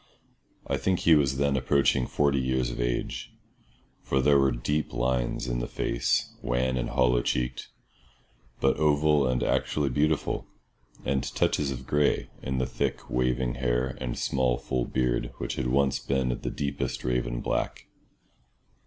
I think he was then approaching forty years of age, for there were deep lines in the face, wan and hollow cheeked, but oval and actually beautiful; and touches of grey in the thick, waving hair and small full beard which had once been of the deepest raven black.